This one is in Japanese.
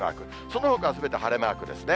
そのほかはすべて晴れマークですね。